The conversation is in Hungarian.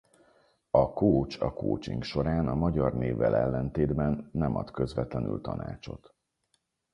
A coach a coaching során a magyar névvel ellentétben nem ad közvetlenül tanácsot.